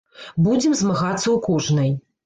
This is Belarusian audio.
Будзем змагацца ў кожнай.